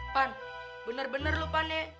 pan benar benar lu panik